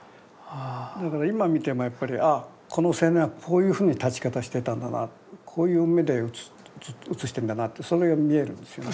だから今見てもやっぱりああこの青年はこういうふうに立ち方してたんだなこういう目で写してんだなってそれが見えるんですよね。